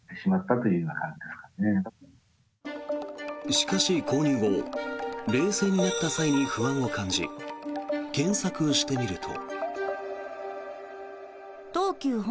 しかし、購入後冷静になった際に不安を感じ検索してみると。